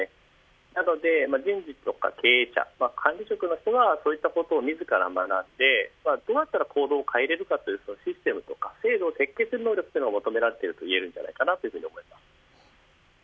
なので人事や経営者管理職こそがそういったことを自ら学んでどうやったら行動を変えれるかというシステムや制度設計する能力が求められていると思います。